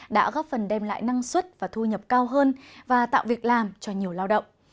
đã góp phần đem lại năng suất và thu nhập cao hơn và tạo việc làm cho nhiều lao động